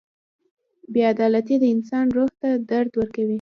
• بې عدالتي د انسان روح ته درد ورکوي.